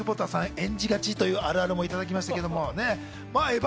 演じがちというあるあるもいただきましたけどね。